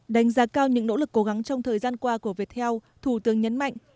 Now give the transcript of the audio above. đánh giá cao những nỗ lực cố gắng trong thời gian qua của việt heo thủ tướng nhấn mạnh